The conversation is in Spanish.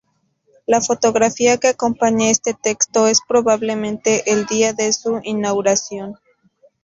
La fotografía que acompaña este texto es probablemente del día de su inauguración.